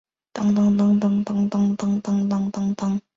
肾耳唐竹为禾本科唐竹属下的一个种。